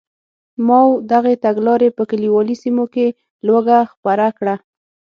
ماوو دغې تګلارې په کلیوالي سیمو کې لوږه خپره کړه.